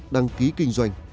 đăng ký kinh doanh